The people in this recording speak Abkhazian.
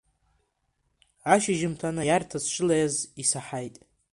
Ашьжьымҭан аиарҭа сшылаиаз исаҳаит…